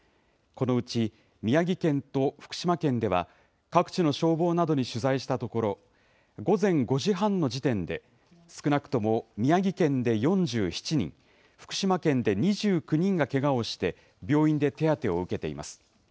このうち宮城県と福島県では各地の消防などに取材したところ午前５時半の時点で少なくとも宮城県で４７人、福島県で２９人がけがをして病院で手当てを受けています。